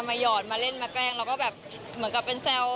มาหยอดมาเล่นมาแกล้งแล้วก็เหมือนกับเป็นเซลล์